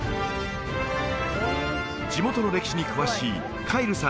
地元の歴史に詳しいカイルさん